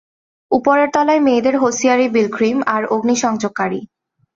উপরের তলায় মেয়েদের হোসিয়ারি ব্রিলক্রিম, আর অগ্নিসংযোগকারী।